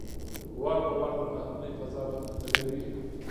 وار په وار د ناامنۍ فضا رامنځته کوي.